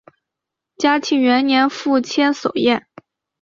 嘉庆元年赴千叟宴。